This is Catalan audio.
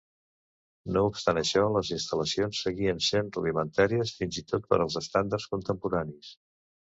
No obstant això, les instal·lacions seguien sent rudimentàries fins i tot per als estàndards contemporanis.